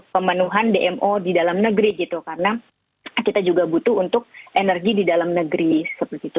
pemenuhan dmo di dalam negeri gitu karena kita juga butuh untuk energi di dalam negeri seperti itu